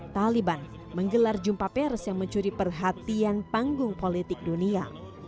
taliban menggelar jumpa pers yang mencuri perhatian panggung politik dunia